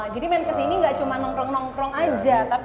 jadi men kesini gak cuma nongkrong nongkrong aja tapi